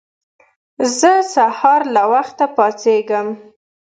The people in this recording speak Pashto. زه سهار له وخته پاڅيږم.